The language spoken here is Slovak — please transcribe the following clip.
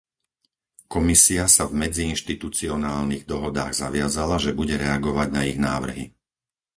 Komisia sa v medziinštitucionálnych dohodách zaviazala, že bude reagovať na ich návrhy.